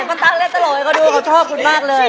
ดูปุ๊ตตั๊งเล่นตลกให้ดูชอบคุณมากเลย